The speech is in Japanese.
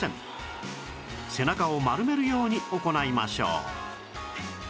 背中を丸めるように行いましょう